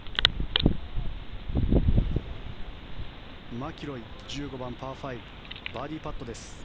マキロイ、１５番、パー５バーディーパットです。